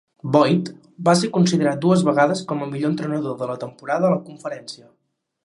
Boyd va ser considerat dues vegades com a Millor entrenador de la temporada a la conferència.